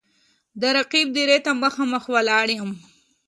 د رقیب دېرې ته مـــخامخ ولاړ یـــم